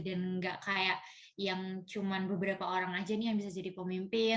dan gak kayak yang cuman beberapa orang aja nih yang bisa jadi pemimpin